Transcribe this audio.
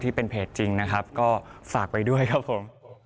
ที่เป็นเพจจริงนะครับก็ฝากไปด้วยครับผม